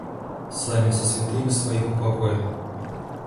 Сами со святыми своих упокоим.